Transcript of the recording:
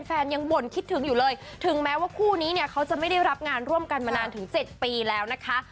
ยังบ่นคิดถึงอยู่เลยถึงแม้ว่าคู่นี้เนี่ยเขาจะไม่ได้รับงานร่วมกันมานานถึง๗ปีแล้วนะคะ